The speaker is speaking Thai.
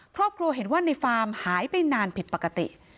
ครอบครัวเห็นว่าในฟาร์มหายไปนานผิดปกติ